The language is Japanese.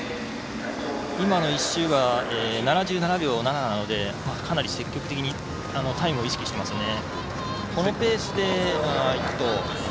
今の１周は７７秒７なのでかなり積極的にタイムを意識していますね。